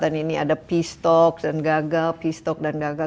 dan ini ada peace talk dan gagal